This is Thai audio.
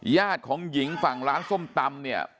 ญาติของหญิงฝั่งร้านส้มตำเนี่ย